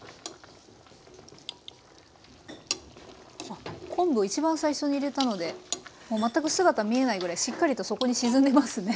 あっ昆布を一番最初に入れたのでもう全く姿見えないぐらいしっかりと底に沈んでますね。